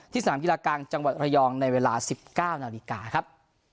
ที่สามกีฬากลางจังหวัดระยองในเวลาสิบเก้านาฬิกาครับ